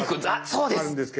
そうです。